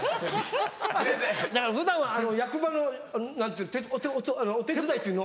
だから普段は役場のお手伝いっていうの？